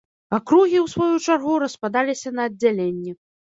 Акругі, у сваю чаргу, распадаліся на аддзяленні.